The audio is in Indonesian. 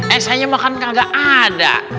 eh saya mah kan kagak ada